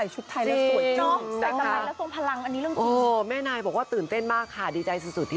หลายคนก็บอกได้รอวิ่งรานคู่มาสักที